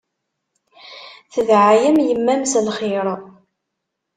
Tedɛa-yam yemma-m s lxir.